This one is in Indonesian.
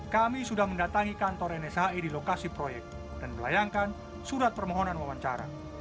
kami sudah mendatangi kantor nshi di lokasi proyek dan melayangkan surat permohonan wawancara